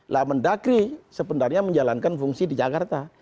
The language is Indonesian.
lah mendagri sebenarnya menjalankan fungsi di jakarta